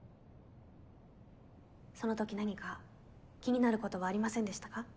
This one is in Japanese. その時何か気になることはありませんでしたか？